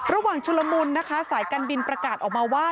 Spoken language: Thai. ชุลมุนนะคะสายการบินประกาศออกมาว่า